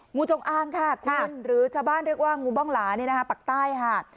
งูจงอางค่ะคุณหรือชาวบ้านเรียกว่างูบ้องหลานี่นะคะปักใต้ค่ะ